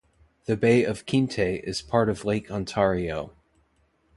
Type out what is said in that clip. The Bay of Quinte is part of Lake Ontario.